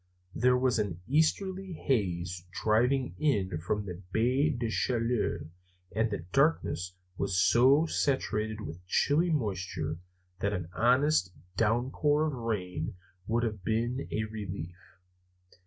There was an easterly haze driving in from the Baie des Chaleurs and the darkness was so saturated with chilly moisture that an honest downpour of rain would have been a relief.